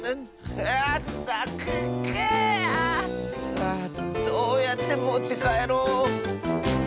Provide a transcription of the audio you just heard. ああどうやってもってかえろう。